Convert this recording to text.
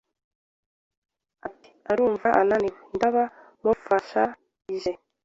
ati arumva ananiwe ndaba mufashaije